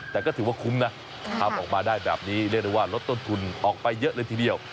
แต่ก็ถือว่าคุ้มนะทำออกมาได้แบบนี้เรียกได้ว่าลดต้นทุนออกไปเยอะเลยทีเดียว